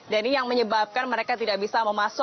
dan ini yang menyebabkan mereka tidak bisa memasukkannya